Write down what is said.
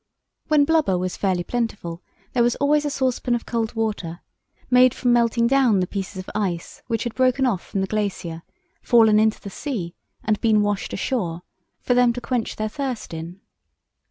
When blubber was fairly plentiful there was always a saucepan of cold water, made from melting down the pieces of ice which had broken off from the glacier, fallen into the sea, and been washed ashore, for them to quench their thirst in.